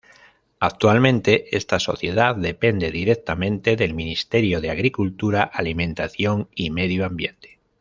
Actualmente esta sociedad depende directamente del Ministerio de Agricultura, Alimentación y Medio Ambiente.